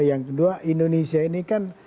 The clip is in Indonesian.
yang kedua indonesia ini kan